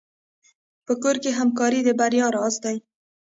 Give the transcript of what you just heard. په کور کې همکاري د بریا راز دی.